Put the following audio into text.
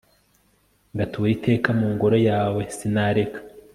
ngatura iteka mu ngoro yawe sinareka